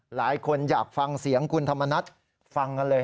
หลายคนอยากฟังเสียงคุณธรรมนัฐฟังกันเลย